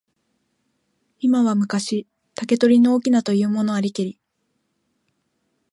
今は昔、竹取の翁というものありけり。